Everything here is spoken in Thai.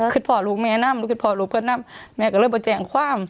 คิดพอลูกแม่นั้นลูกคิดพอลูกเพื่อนนั้นแม่ก็เลยไม่แจ้งความ